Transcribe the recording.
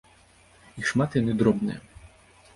Іх шмат і яны дробныя.